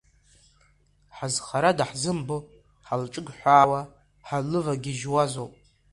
Ҳазхара даҳзымбо, ҳалҿыгәҳәаауа ҳанлывагьежьуазоуп.